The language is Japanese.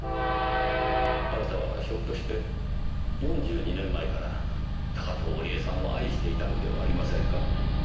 あなたはひょっとして４２年前から高塔織絵さんを愛していたのではありませんか？